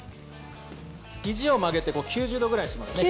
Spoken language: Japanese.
ひじを曲げて９０度ぐらいにしますね。